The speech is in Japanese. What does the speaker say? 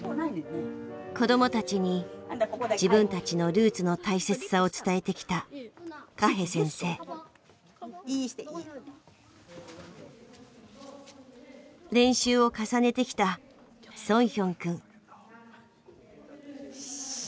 子どもたちに自分たちのルーツの大切さを伝えてきた練習を重ねてきたしっ！